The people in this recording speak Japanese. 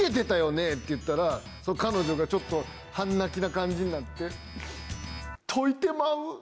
って言ったら彼女がちょっと半泣きな感じになって。